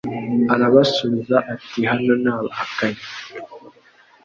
Arabasubiza ati Hano ni abahakanyi